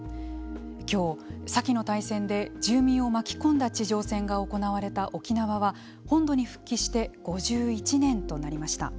今日、先の大戦で住民を巻き込んだ地上戦が行われた沖縄は本土に復帰して５１年となりました。